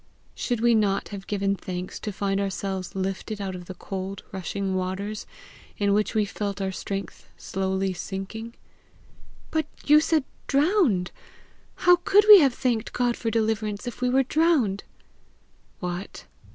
"Should we not have given thanks to find ourselves lifted out of the cold rushing waters, in which we felt our strength slowly sinking?" "But you said DROWNED! How could we have thanked God for deliverance if we were drowned?" "What!